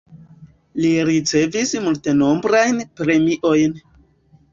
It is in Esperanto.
Li ricevis multenombrajn premiojn.